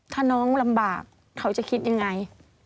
ถ้าน้องลำบากเขาจะคิดยังไง